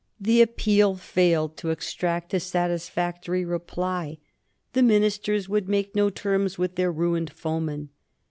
The appeal failed to extract a satisfactory reply. The Ministers would make no terms with their ruined foeman.